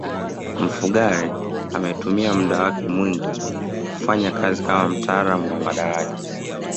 mfugale ametumia muda wake mwingi kufanya kazi kama mtaalamu wa madaraja